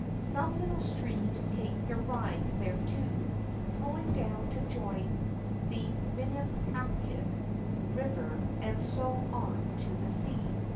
Some little streams take their rise there too, flowing down to join the Minnepachague River and so on to the sea.